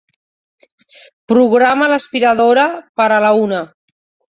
Programa l'aspiradora per a la una.